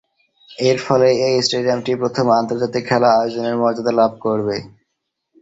এরফলে, এ স্টেডিয়ামটি প্রথম আন্তর্জাতিক খেলা আয়োজনের মর্যাদা লাভ করবে।